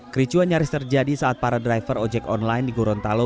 kericuan nyaris terjadi saat para driver ojek online di gorontalo